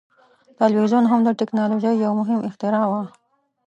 ټلویزیون هم د ټیکنالوژۍ یو مهم اختراع وه.